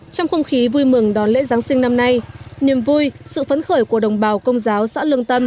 trong không khí vui mừng đón lễ giáng sinh năm nay niềm vui sự phấn khởi của đồng bào công giáo xã lương tâm